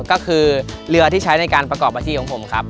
ก็คือเรือที่ใช้ในการประกอบอาชีพของผมครับ